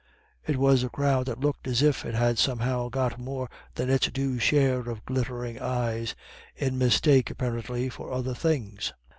It was a crowd that looked as if it had somehow got more than its due share of glittering eyes in mistake, apparently, for other things.